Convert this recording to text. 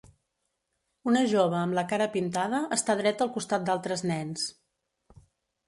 una jove amb la cara pintada està dreta al costat d'altres nens.